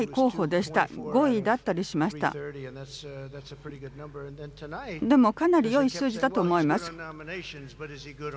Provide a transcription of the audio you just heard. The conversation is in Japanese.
でもかなりよい数字だと思います。